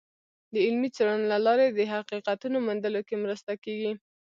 د علمي څیړنو له لارې د حقیقتونو موندلو کې مرسته کیږي.